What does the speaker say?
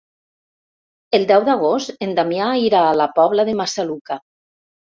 El deu d'agost en Damià irà a la Pobla de Massaluca.